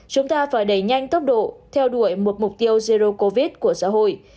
chúng ta phải đẩy nhanh tốc độ theo đuổi một mục tiêu erdo covid của xã hội